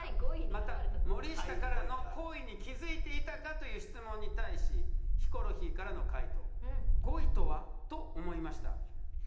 「また森下からの好意に気付いていたか？」という質問に対しヒコロヒーからの回答。